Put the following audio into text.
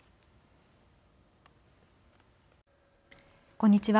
こんにちは。